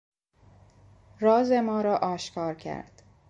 راز ما را آشکار کرد.